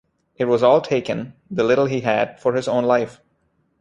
It was all taken, the little he had, for his own life.